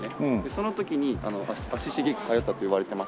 その時に足しげく通ったといわれてまして。